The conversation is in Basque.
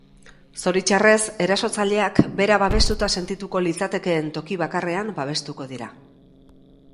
Zoritxarrez, erasotzaileak bera babestuta sentituko litzatekeen toki bakarrean babestuko dira.